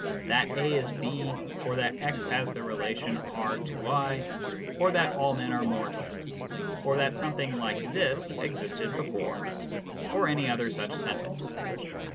that A is B, or that x has the relation R to y, or that all men are mortal, or that something like this existed before, or any other such sentence.